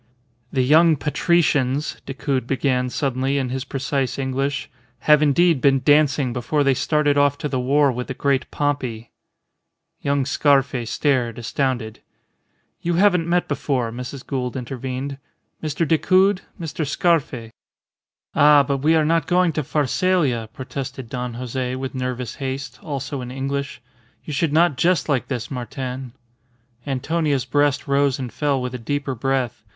"The young patricians," Decoud began suddenly in his precise English, "have indeed been dancing before they started off to the war with the Great Pompey." Young Scarfe stared, astounded. "You haven't met before," Mrs. Gould intervened. "Mr. Decoud Mr. Scarfe." "Ah! But we are not going to Pharsalia," protested Don Jose, with nervous haste, also in English. "You should not jest like this, Martin." Antonia's breast rose and fell with a deeper breath.